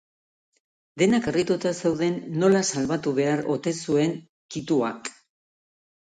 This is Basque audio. Denak harrituta zeuden nola salbatu behar ote zuen kituak.